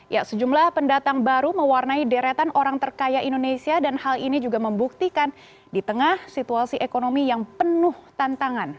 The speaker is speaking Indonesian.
ya sejumlah pendatang baru mewarnai deretan orang terkaya indonesia dan hal ini juga membuktikan di tengah situasi ekonomi yang penuh tantangan